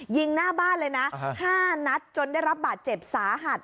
ยิงหน้าบ้านเลยนะ๕นัดจนได้รับบาดเจ็บสาหัส